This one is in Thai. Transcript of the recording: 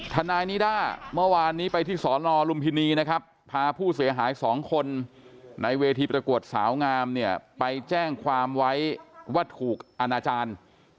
ทนายนิด้าเมื่อวานนี้ไปที่สนลุมพินีนะครับพาผู้เสียหาย๒คนในเวทีประกวดสาวงามไปแจ้งความไว้ว่าถูกอนาจารย์